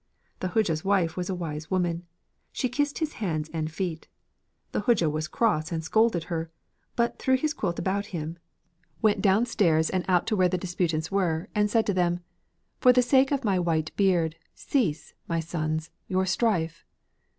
The Hodja's wife was a wise woman. She kissed his hands and his feet. The Hodja was cross and scolded her, but he threw the quilt about him, went downstairs and out to where the disputants were, and said to them: 'For the sake of my white beard cease, my sons, your strife.'